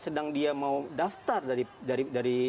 sedang dia mau daftar dari